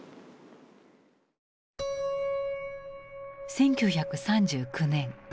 １９３９年。